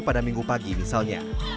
pada minggu pagi misalnya